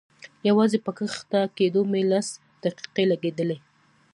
يوازې په کښته کېدو مې لس دقيقې لګېدلې.